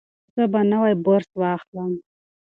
زه به نوی برس واخلم.